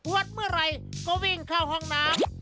วัดเมื่อไหร่ก็วิ่งเข้าห้องน้ำ